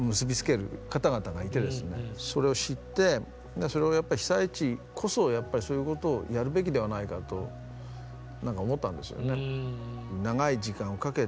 それを知ってそれをやっぱり被災地こそそういうことをやるべきではないかと何か思ったんですよね。